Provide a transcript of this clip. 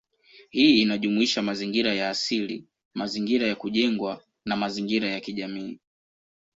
Hii inajumuisha mazingira ya asili, mazingira ya kujengwa, na mazingira ya kijamii.